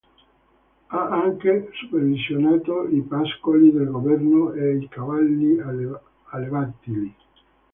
Ha anche supervisionato i pascoli del governo e i cavalli allevati lì.